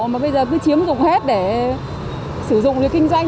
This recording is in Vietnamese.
mà bây giờ cứ chiếm dụng hết để sử dụng rồi kinh doanh